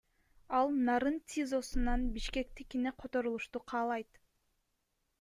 Ал Нарын ТИЗОсунан Бишкектикине которулушту каалайт.